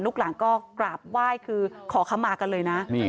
ลูกหลังก็กราบไหว้คือขอคำมากันเลยนะ